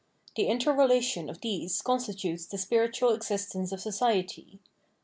The interrelation of these constitutes the spiritual existence of society.